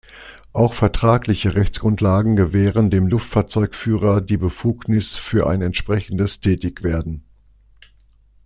Auch vertragliche Rechtsgrundlagen gewähren dem Luftfahrzeugführer die Befugnis für ein entsprechendes Tätigwerden.